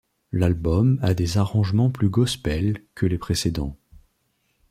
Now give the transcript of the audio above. L'album a des arrangements plus Gospel que les précédents.